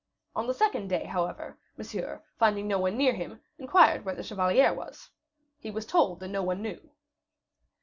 On the second day, however, Monsieur, finding no one near him, inquired where the chevalier was. He was told that no one knew.